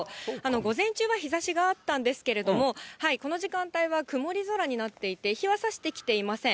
午前中は日ざしがあったんですけれども、この時間帯は曇り空になっていて、日はさしてきていません。